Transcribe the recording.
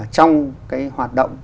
trong cái hoạt động